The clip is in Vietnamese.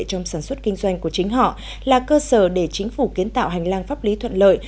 trong sản xuất kinh doanh của chính họ là cơ sở để chính phủ kiến tạo hành lang pháp lý thuận lợi